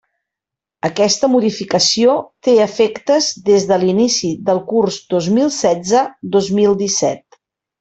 Aquesta modificació té efectes des de l'inici del curs dos mil setze-dos mil disset.